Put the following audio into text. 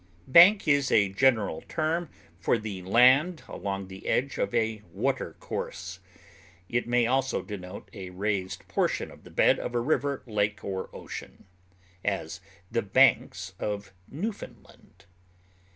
Bank is a general term for the land along the edge of a water course; it may also denote a raised portion of the bed of a river, lake, or ocean; as, the Banks of Newfoundland.